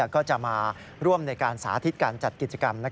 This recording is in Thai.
ก็จะมาร่วมในการสาธิตการจัดกิจกรรม